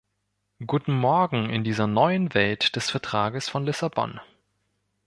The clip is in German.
Guten Morgen in dieser neuen Welt des Vertrages von Lissabon!